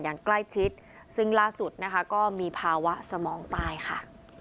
อย่างใกล้ชิดซึ่งล่าสุดนะคะก็มีภาวะสมองตายค่ะ